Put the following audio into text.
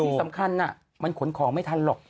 ที่สำคัญมันขนของไม่ทันหรอก